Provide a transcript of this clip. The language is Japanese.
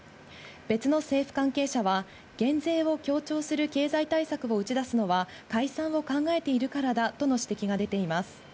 別の政府関係者は減税を強調する経済対策を打ち出すのは解散を考えているからだとの指摘が出ています。